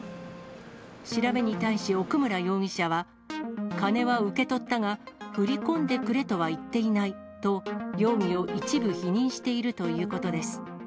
調べに対し奥村容疑者は、鐘は受け取ったが、振り込んでくれとは言っていないと、容疑を一部否認しているということです。